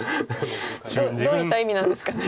どういった意味なんですかね。